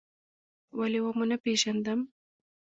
ولې و مو نه پېژندم؟